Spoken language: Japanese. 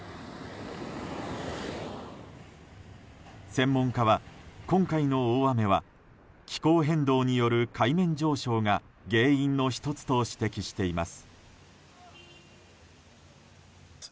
専門家は、今回の大雨は気候変動による海面上昇が原因の１つと指摘しています。